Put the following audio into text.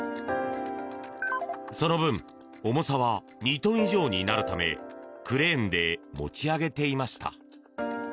その分、重さは２トン以上になるためクレーンで持ち上げていました。